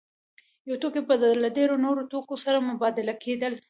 یو توکی به له ډېرو نورو توکو سره مبادله کېده